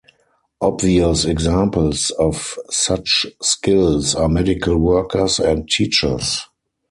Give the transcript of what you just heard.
Obvious examples of such skills are medical workers and teachers.